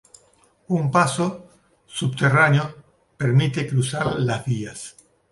Un paso subterráneo permite cruzar las vías.